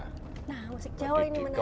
nah musik jawa ini menarik